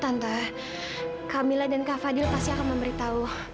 tante kamilla dan kak fadil pasti akan memberitahu